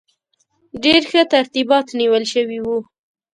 ډېر ښه ترتیبات نیول شوي وو.